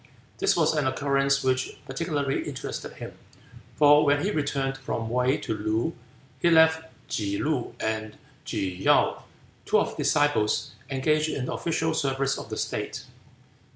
This was an occurrence which particularly interested him, for when he returned from Wei to Loo he left Tsze loo and Tsze kaou, two of his disciples, engaged in the official service of the state.